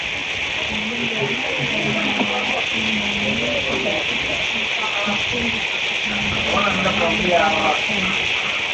Magonjwa hayo yameainishwa katika makundi tisa kulingana na dalili zao kuu